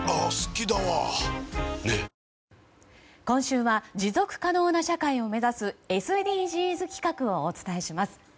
今週は持続可能な社会を目指すＳＤＧｓ企画をお伝えします。